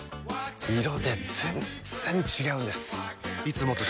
色で全然違うんです！